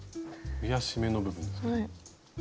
増やし目の部分ですね。